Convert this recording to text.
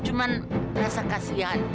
cuma rasa kasihan